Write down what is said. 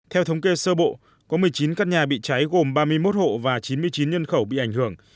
theo thống kê sơ bộ có một mươi chín căn nhà bị cháy gồm ba mươi một hộ và chín mươi chín nhân khẩu bị ảnh hưởng